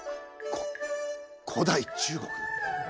こ古代中国？